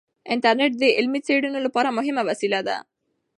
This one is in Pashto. انټرنیټ د علمي څیړنو لپاره مهمه وسیله ده.